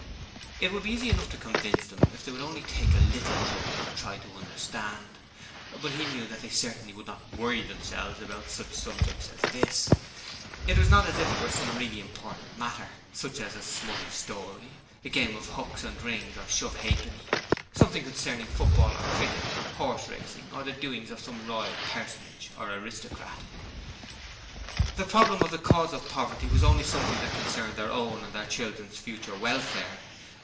It would be easy enough to convince them if they would only take a LITTLE trouble and try to understand, but he knew that they certainly would not 'worry' themselves about such a subject as this; it was not as if it were some really important matter, such as a smutty story, a game of hooks and rings or shove ha'penny, something concerning football or cricket, horse racing or the doings of some Royal personage or aristocrat. The problem of the cause of poverty was only something that concerned their own and their children's future welfare.